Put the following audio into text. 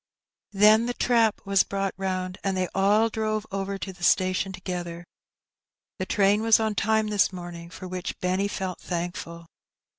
Then the trap was brought round, and they all drove over to the station together. The train was in time this morning, for which Benny felt thankful.